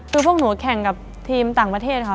คือพวกหนูแข่งกับทีมต่างประเทศค่ะ